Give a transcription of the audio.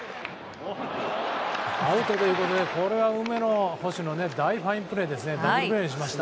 アウトということで梅野の大ファインプレーでした。